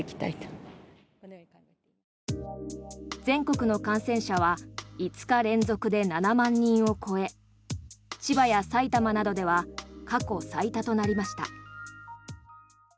全国の感染者は５日連続で７万人を超え千葉や埼玉などでは過去最多となりました。